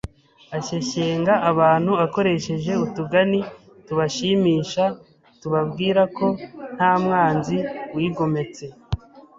Ashyeshyenga abantu akoresheje utugani tubashimisha tubabwira ko nta mwanzi wigometse,